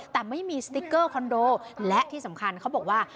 แต่ไม่มีสติ๊กเกอร์คอนโดและที่สำคัญเขาบอกว่า